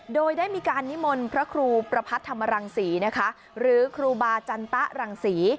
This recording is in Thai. โดยได้มีการนิมนต์พระครูประพัทธธรรมรังศรีนะคะหรือครูบาจันตะรังศรี